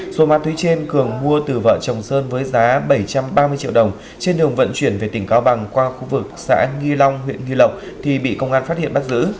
số ma túy trên cường mua từ vợ chồng sơn với giá bảy trăm ba mươi triệu đồng trên đường vận chuyển về tỉnh cao bằng qua khu vực xã nghi long huyện nghi lộc thì bị công an phát hiện bắt giữ